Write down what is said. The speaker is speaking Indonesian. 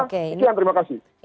sekian terima kasih